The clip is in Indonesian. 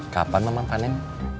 kapan memang panen